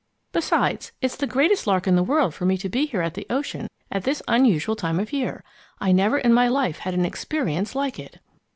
Besides, it's the greatest lark in the world for me to be here at the ocean at this unusual time of the year. I never in all my life had an experience like it."